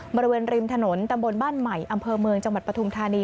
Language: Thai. บริเวณริมถนนตำบลบ้านใหม่อำเภอเมืองจังหวัดปฐุมธานี